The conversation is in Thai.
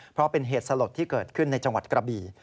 เพราะเป็นเหตุสลดที่เกิดขึ้นในจังหวัดกระบี่